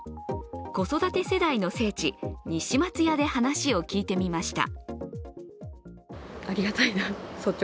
子育て世代の聖地西松屋で話を聞いてみました。